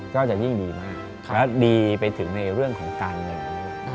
ก็จะยิ่งดีมากและดีไปถึงในเรื่องของการเงิน